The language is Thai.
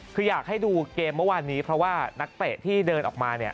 คืออยากให้ดูเกมเมื่อวานนี้เพราะว่านักเตะที่เดินออกมาเนี่ย